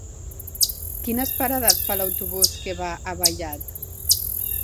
Quines parades fa l'autobús que va a Vallat?